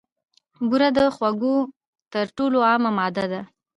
بوره د خوږو تر ټولو عامه ماده ده.